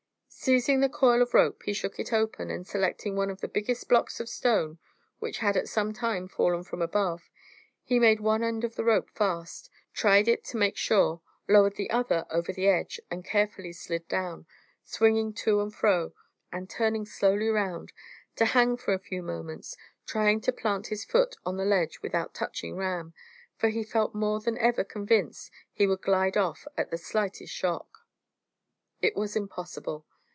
Seizing the coil of rope, he shook it open, and selecting one of the biggest blocks of stone, which had at some time fallen from above, he made one end of the rope fast, tried it to make sure, lowered the other over the edge, and carefully slid down, swinging to and fro, and turning slowly round, to hang for a few moments, trying to plant his foot on the ledge without touching Ram, for he felt more than ever convinced he would glide off at the slightest shock. It was impossible.